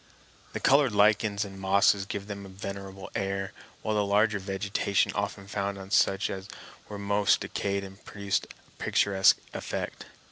The colored lichens and mosses gave them a venerable air, while the larger vegetation often found on such as were most decayed produced a picturesque effect.